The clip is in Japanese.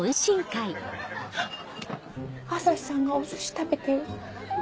朝陽さんがお寿司食べてる。